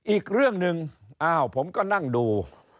อีกเรื่องหนึ่งอ้าวผมก็นั่งดู